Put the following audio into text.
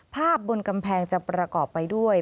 บนกำแพงจะประกอบไปด้วย